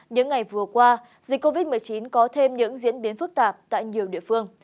những ngày vừa qua dịch covid một mươi chín có thêm những diễn biến phức tạp tại nhiều địa phương